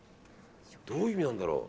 どういう意味なんだろう。